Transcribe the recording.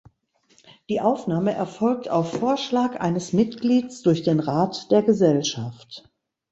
Die Aufnahme erfolgt auf Vorschlag eines Mitglieds durch den Rat der Gesellschaft.